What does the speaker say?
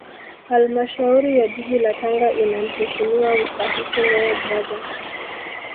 Halmashauri ya Jiji la Tanga ina Mheshimiwa Mstahiki Meya mmoja